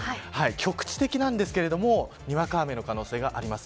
局地的なんですけれどにわか雨の可能性があります。